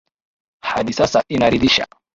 hadi sasa inaridhisha